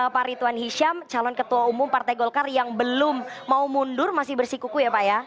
pak ritwan hisham calon ketua umum partai golkar yang belum mau mundur masih bersikuku ya pak ya